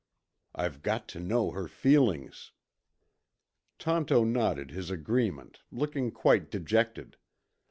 I've got to know her feelings." Tonto nodded his agreement, looking quite dejected.